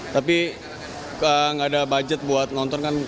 tapi nggak ada budget buat nonton kan